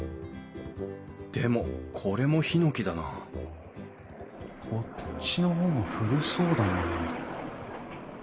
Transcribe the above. でもこれもヒノキだなこっちの方が古そうだなあ。